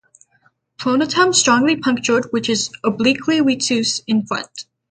Pronotum strongly punctured which is obliquely retuse in front.